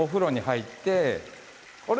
あれ？